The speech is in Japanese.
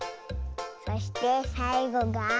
そしてさいごが。